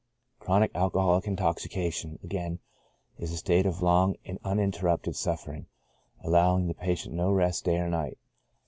Chronic al .coholic intoxication, again, is a state of long and uninter rupted suffering, allowing the patient no rest day or night.